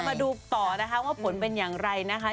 เอามาดูต่อนะครับว่าผลเป็นยังไรนะคะ